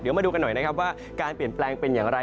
เดี๋ยวมาดูกันหน่อยนะครับว่าการเปลี่ยนแปลงเป็นอย่างไร